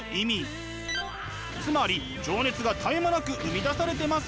つまり情熱が絶え間なく生み出されてます